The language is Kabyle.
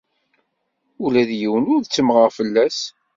Ula d yiwen ur ttemmɣeɣ fell-as.